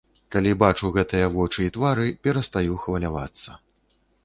Калі бачу гэтыя вочы і твары, перастаю хвалявацца.